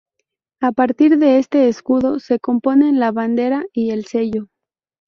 A partir de este escudo se componen la bandera y el sello.